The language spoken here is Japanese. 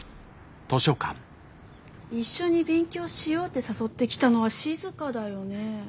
一緒に勉強しようって誘ってきたのはしずかだよね。